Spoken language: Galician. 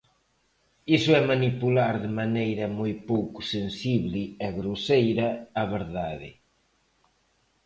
Iso é manipular de maneira moi pouco sensible e groseira a verdade.